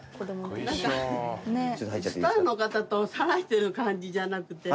スターの方と話してる感じじゃなくて。